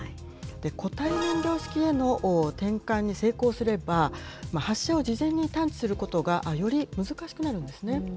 固体燃料式への転換に成功すれば、発射を事前に探知することがより難しくなるんですね。